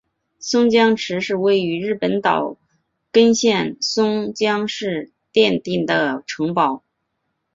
松江城是位于日本岛根县松江市殿町的城堡。